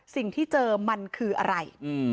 สิ่งที่เจอมันคืออะไร